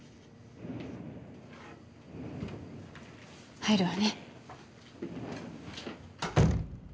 入るわね。